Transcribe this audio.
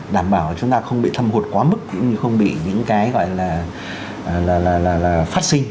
đảm bảo chúng ta không bị thâm hụt quá mức không bị những cái gọi là phát sinh